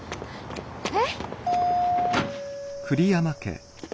えっ？